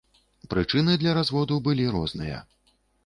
Прычыны для разводу былі розныя.